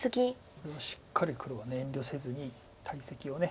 これをしっかり黒は遠慮せずに大石をね。